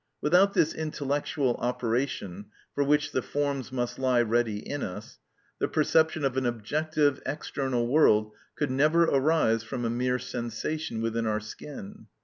Without this intellectual operation, for which the forms must lie ready in us, the perception of an objective, external world could never arise from a mere sensation within our skin.